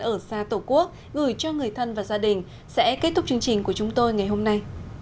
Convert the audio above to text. ở xa tổ quốc gửi cho người thân và gia đình sẽ kết thúc chương trình của chúng tôi ngày hôm nay